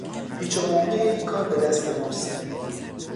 پیچ و مهرهٔ این کار به دست او است.